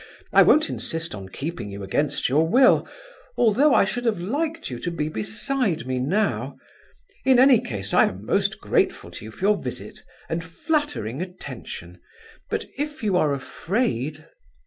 I won't insist on keeping you against your will, although I should have liked you to be beside me now. In any case, I am most grateful to you for your visit, and flattering attention... but if you are afraid..."